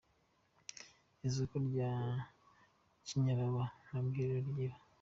Isoko rya Kinyababa nta bwiherero rigira.